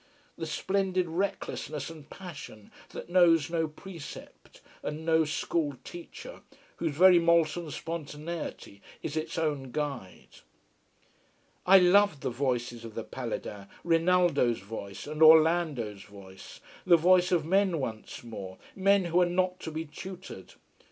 The splendid recklessness and passion that knows no precept and no school teacher, whose very molten spontaneity is its own guide. I loved the voices of the Paladins Rinaldo's voice, and Orlando's voice: the voice of men once more, men who are not to be tutored.